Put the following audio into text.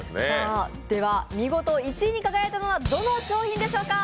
見事１位に輝いたのは、どの商品でしょうか？